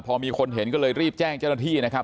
พอมีคนเห็นก็เลยรีบแจ้งเจ้าหน้าที่นะครับ